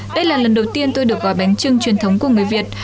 đây là lần đầu tiên tôi được gói bánh trưng truyền thống của người việt